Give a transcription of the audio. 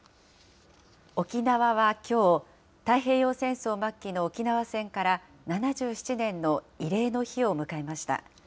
沖縄はきょう、太平洋戦争末期の沖縄戦から、７７年の慰霊の日を迎えました。